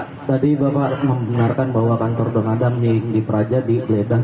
pak tadi bapak menggunakan bahwa kantor don adam di praja di bledang